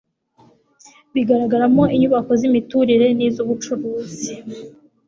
bigaragaramo inyubako z'imiturire n'iz'ubucuruzi.